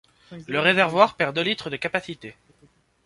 Le réservoir perd deux litres de capacité.